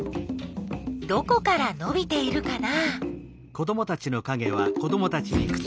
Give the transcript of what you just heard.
どこからのびているかな？